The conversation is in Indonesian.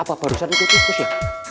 apa barusan itu tikusnya